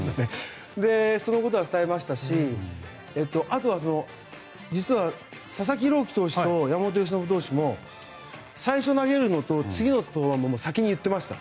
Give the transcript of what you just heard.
そのことは伝えましたしあとは、実は佐々木朗希投手と山本由伸投手も最初、投げるのと次の登板も先に言っていました。